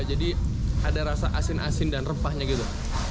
jadi ada rasa asin asin dan rempahnya gitu